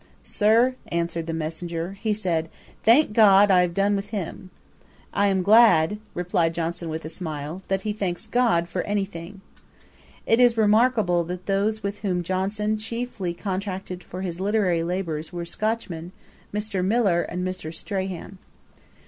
'Sir, (answered the messenger) he said, thank GOD I have done with him.' 'I am glad (replied Johnson, with a smile) that he thanks GOD for any thing.' It is remarkable that those with whom Johnson chiefly contracted for his literary labours were Scotchmen, Mr. Millar and Mr. Strahan.